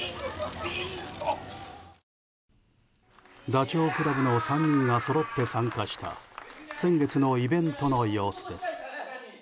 ダチョウ倶楽部の３人がそろって参加した先月のイベントの様子です。